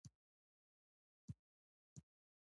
افغانستان تر هغو نه ابادیږي، ترڅو هر څوک خپل حد ونه پیژني.